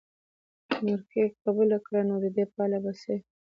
مرکې قبوله کړه نو د دې پای به څه وي.